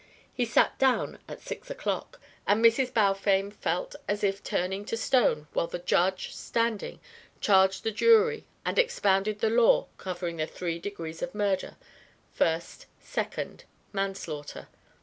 He sat down at six o'clock; and Mrs. Balfame felt as if turning to stone while the Judge, standing, charged the jury and expounded the law covering the three degrees of murder: first, second, manslaughter.